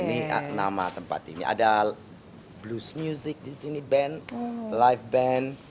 ini nama tempat ini ada blues music di sini band live band